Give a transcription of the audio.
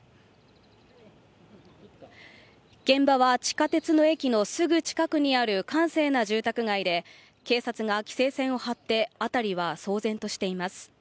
現場は地下鉄の駅のすぐ近くにある閑静な住宅街で、警察が規制線を張って、あたりは騒然としています。